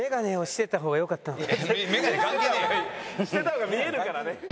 してた方が見えるからね。